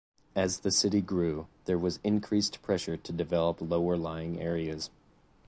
As the city grew, there was increased pressure to develop lower-lying areas.